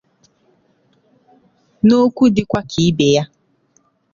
N'okwu dịkwa ka ibè ya